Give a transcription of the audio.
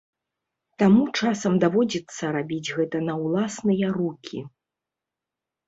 Таму часам даводзіцца рабіць гэта на ўласныя рукі.